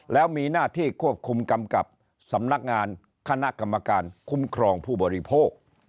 แล้วมีหน้าที่ควบคุมกำกับสำนักงานคณะกรรมการคุ้มครองผู้บริโภค